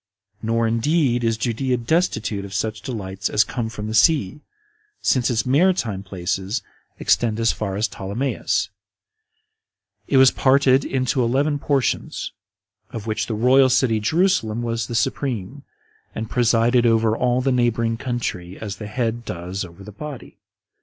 Nor indeed is Judea destitute of such delights as come from the sea, since its maritime places extend as far as Ptolemais: it was parted into eleven portions, of which the royal city Jerusalem was the supreme, and presided over all the neighboring country, as the head does over the body.